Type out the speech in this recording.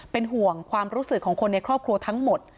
เป็นห่วงความรู้สึกของคนในครอบครัวทั้งหมด